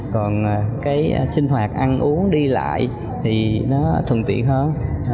còn cái sinh hoạt ăn uống đi lại thì nó thuận tiện hơn